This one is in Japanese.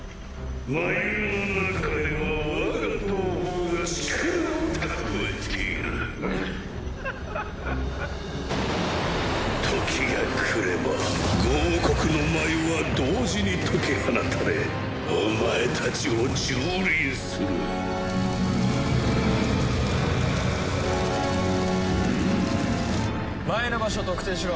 「繭の中では我が同胞が力を蓄えている」「ウッフッフッフッフッ」「時が来れば５王国の繭は同時に解き放たれお前たちを蹂躙する」繭の場所特定しろ。